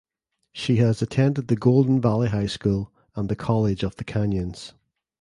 She has attended the Golden Valley High School and the College of the Canyons.